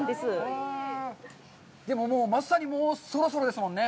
でも、もうまさにもうそろそろですもんね。